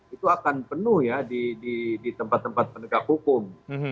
itu akan penuh ya di tempat tempat penegak hukum